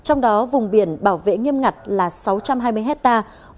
trong đó vùng biển bảo vệ nghiêm ngặt là sáu trăm hai mươi hectare